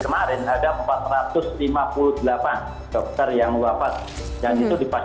kemarin ada empat ratus lima puluh delapan dokter yang wafat